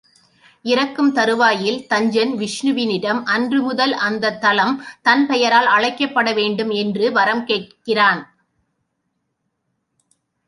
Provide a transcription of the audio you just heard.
இறக்கும் தறுவாயில் தஞ்சன் விஷ்ணுவினிடம் அன்று முதல் அந்தத் தலம் தன் பெயரால் அழைக்கப்படவேண்டும் என்று வரம்கேட்கிறான்.